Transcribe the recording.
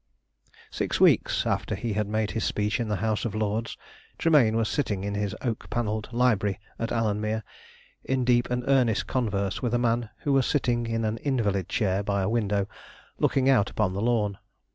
Six weeks after he had made his speech in the House of Lords, Tremayne was sitting in his oak panelled library at Alanmere, in deep and earnest converse with a man who was sitting in an invalid chair by a window looking out upon the lawn.